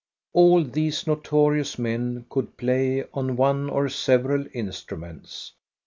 • All these notorious men could play on one or several instruments.